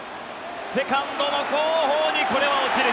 セカンドの後方にこれは落ちる。